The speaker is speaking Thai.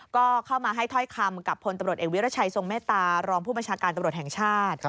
ก็เข้ามาให้ถ้อยคำกับพลตำรวจเอกวิรัชัยทรงเมตตารองผู้บัญชาการตำรวจแห่งชาติ